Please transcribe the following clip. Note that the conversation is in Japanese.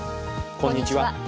こんにちは。